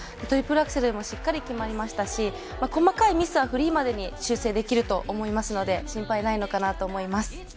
トリプルアクセルもしっかり決まりましたし細かいミスはフリーまでに修正できると思いますので心配ないのかなと思います。